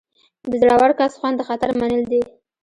د زړور کس خوند د خطر منل دي.